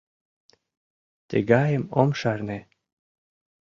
— Тыгайым ом шарне.